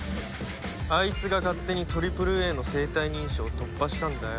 あいつが勝手にトリプルＡの生体認証を突破したんだよ。